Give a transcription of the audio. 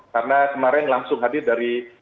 karena kemarin langsung hadir dari